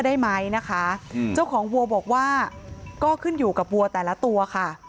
ได้ไหมนะคะเจ้าของวัวบอกว่าก็ขึ้นอยู่กับวัวแต่ละตัวค่ะ